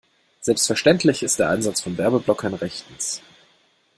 Selbstverständlich ist der Einsatz von Werbeblockern rechtens.